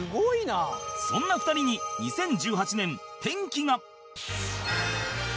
そんな２人に２０１８年転機が